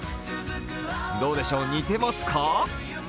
どうでしょう、似てますか？